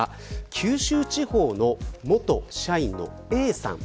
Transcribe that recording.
九州地方の元社員のＡさん。